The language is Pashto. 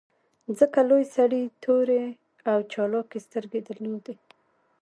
ځکه لوی سړي تورې او چالاکې سترګې درلودې